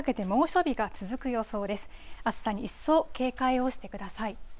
暑さに一層警戒をしてください。